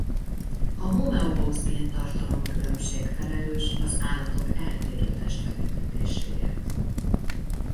A homeobox-géntartalom különbség felelős az állatok eltérő testfelépítéséért.